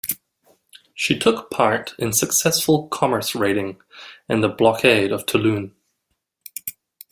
She took part in successful commerce raiding and the blockade of Toulon.